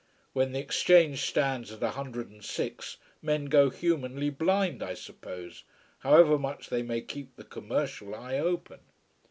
When the exchange stands at a hundred and six men go humanly blind, I suppose, however much they may keep the commercial eye open.